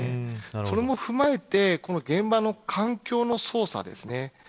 それも踏まえて現場の環境の捜査ですね。